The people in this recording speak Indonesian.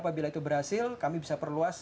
apabila itu berhasil kami bisa perluas